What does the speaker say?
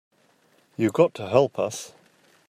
You got to help us.